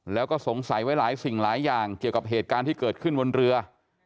แล้วก็สงสัยไว้หลายสิ่งหลายอย่างเกี่ยวกับเหตุการณ์ที่เกิดขึ้นบนเรือ